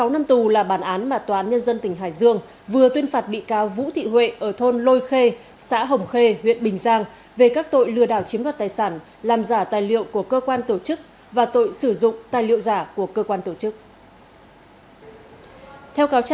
một mươi năm tù là bản án mà tòa án nhân dân tỉnh hải dương vừa tuyên phạt bị cáo vũ thị huệ ở thôn lôi khê xã hồng khê huyện bình giang về các tội lừa đảo chiếm đoạt tài sản làm giả tài liệu của cơ quan tổ chức và tội sử dụng tài liệu giả của cơ quan tổ chức